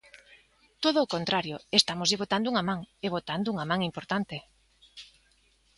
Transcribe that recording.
Todo o contrario, estámoslles botando unha man, e botando unha man importante.